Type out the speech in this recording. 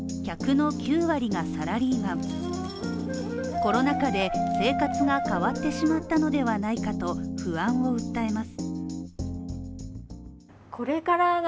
コロナ禍で生活が変わってしまったのではないかと不安を訴えます。